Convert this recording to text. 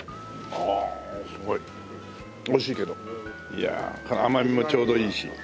いやこの甘みもちょうどいいし。